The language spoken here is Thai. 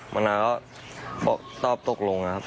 มะนาวก็ต้องตกลง